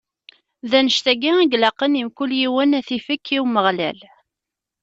D annect-agi i ilaqen i mkul yiwen ad t-ifk i Umeɣlal.